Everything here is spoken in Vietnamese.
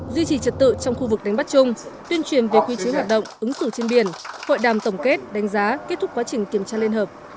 duy trì trật tự trong khu vực đánh bắt chung tuyên truyền về quy chế hoạt động ứng xử trên biển hội đàm tổng kết đánh giá kết thúc quá trình kiểm tra liên hợp